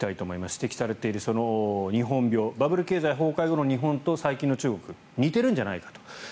指摘されている日本病バブル経済崩壊後の日本と最近の中国は似てるんじゃないかと。